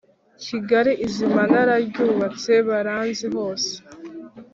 kigali izima nararyubatse baranzi hose